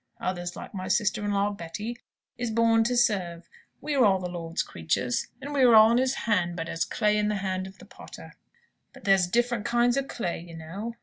Others, like my sister in law Betty, is born to serve. We are all the Lord's creatures, and we are in his hand but as clay in the hands of the potter. But there's different kinds of clay, you know.